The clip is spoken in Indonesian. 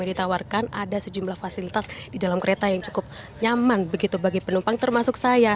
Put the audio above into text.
yang ditawarkan ada sejumlah fasilitas di dalam kereta yang cukup nyaman begitu bagi penumpang termasuk saya